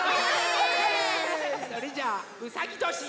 それじゃうさぎどし